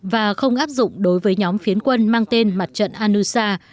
và không áp dụng đối với nhóm phiến quân mang tên mặt trận anusha